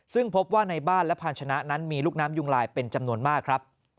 ซึ่งพบว่าในบ้านและพานชนะนั้นมีลูกน้ำยุงลายเป็นจำนวนมากครับ